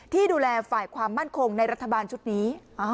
ที่ดูแลฝ่ายความมั่นคงในรัฐบาลชุดนี้